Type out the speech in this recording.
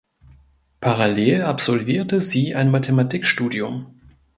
Parallel absolvierte sie ein Mathematikstudium.